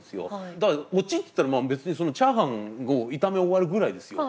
だからオチっていったら別にそのチャーハンを炒め終わるぐらいですよ。